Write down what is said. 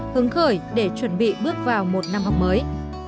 hứng khởi để chuẩn bị bước vào một năm học mới